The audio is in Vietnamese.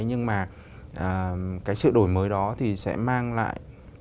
nhưng mà sự đổi mới đó sẽ mang lại